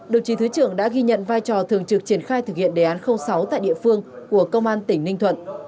đồng chí thứ trưởng đã ghi nhận vai trò thường trực triển khai thực hiện đề án sáu tại địa phương của công an tỉnh ninh thuận